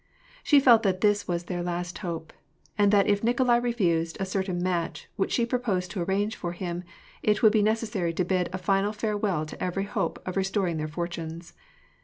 She felt that this was their last hope ; and that if Nikolai refused a certain match, which she proposed to arrange for him, it would be necessary to bid a final farewell to every hope of restoring their fortunes.